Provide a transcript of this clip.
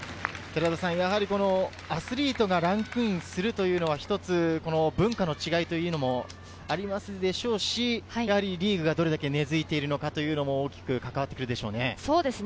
アスリートがランクインするというのは文化の違いもありますでしょうし、リーグがどれだけ根付いているのかも大きく関わってくるでしょう。